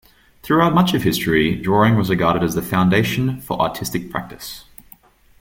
Throughout much of history, drawing was regarded as the foundation for artistic practise.